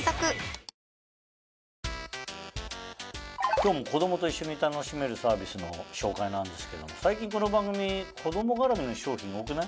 今日も子どもと一緒に楽しめるサービスの紹介なんですけども最近この番組子ども絡みの商品多くない？